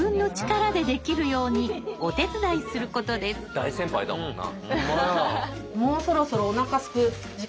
大先輩だもんな。